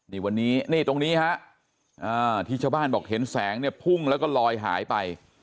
นี่วันนี้นี่ตรงนี้ฮะที่ชาวบ้านบอกเห็นแสงเนี่ยพุ่งแล้วก็ลอยหายไป